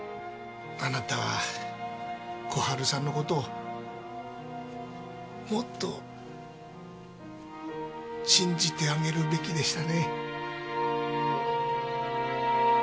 あなたは小春さんの事をもっと信じてあげるべきでしたね。